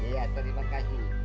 iya terima kasih